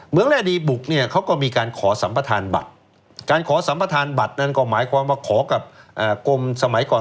แร่ดีบุกเนี่ยเขาก็มีการขอสัมประธานบัตรการขอสัมประธานบัตรนั้นก็หมายความว่าขอกับกรมสมัยก่อน